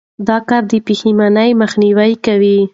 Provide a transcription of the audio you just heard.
دا کار د پښېمانۍ مخنیوی کوي.